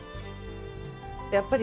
やっぱり